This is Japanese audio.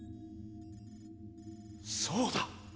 そうだ！